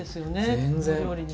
全然！